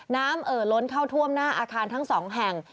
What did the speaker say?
เอ่อล้นเข้าท่วมหน้าอาคารทั้งสองแห่ง